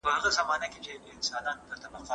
د غایطه موادو معاینه څه ښیي؟